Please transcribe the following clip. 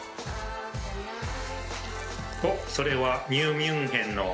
おっそれはニューミュンヘンの唐揚だ。